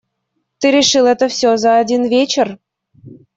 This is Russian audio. Ты решил это всё за один вечер?